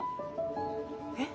えっ？